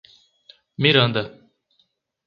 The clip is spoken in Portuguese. Miranda